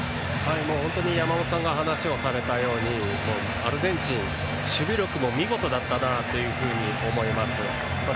本当に山本さんが話をされたようにアルゼンチン、守備力も見事だったと思います。